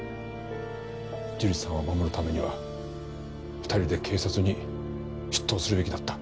樹里さんを守るためには２人で警察に出頭するべきだった。